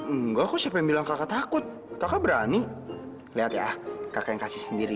enggak aku siapa yang bilang kakak takut kakak berani lihat ya kakak yang kasih sendiri